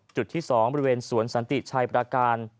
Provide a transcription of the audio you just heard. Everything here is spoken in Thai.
จุดที่๒บริเวณสวนสันติชัยประการ